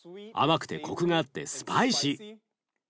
甘くてコクがあってスパイシー。